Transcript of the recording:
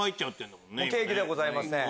ケーキではございません。